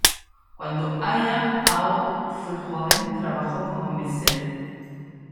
Cuando Halla-aho fue joven trabajó como mesero.